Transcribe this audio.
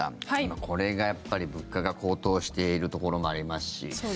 今これが、やっぱり物価が高騰しているところもありますし。